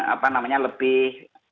apa namanya lebih